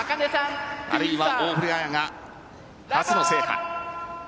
あるいは大堀彩が初の制覇。